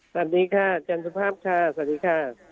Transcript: สวัสดีค่ะเจนสุภาพค่ะสวัสดีค่ะ